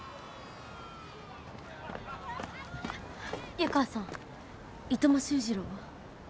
湯川さん糸間修二郎は？